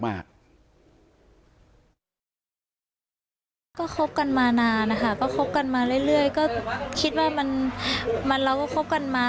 มากก็คบกันมานานนะคะก็คบกันมาเรื่อยก็คิดว่ามันเราก็คบกันมา